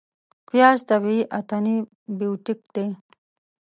پیاز طبیعي انتي بیوټیک دی